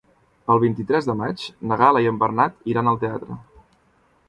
El vint-i-tres de maig na Gal·la i en Bernat iran al teatre.